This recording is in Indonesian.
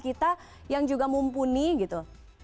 kita yang juga mumpuni gitu